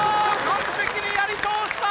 完璧にやり通した！